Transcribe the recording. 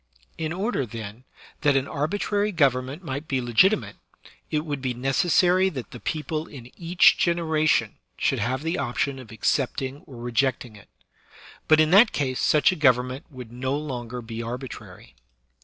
In order, then, that an arbitrary government might be legitimate, it would be necessary that the people in each generation should have the option SLAVERY 9 of accepting or rejecting it; but in that case snch a gov ernment wonld no longer be arbitrary.